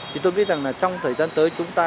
thì tôi nghĩ rằng là trong thời gian tới chúng ta